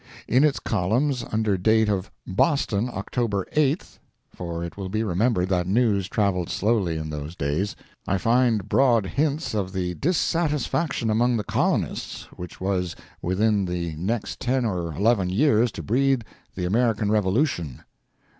In its columns, under date of "Boston, October 8th,"—for it will be remembered that news travelled slowly in those days—I find broad hints of the dissatisfaction among the colonists which was within the next ten or eleven years to breed the American Revolution.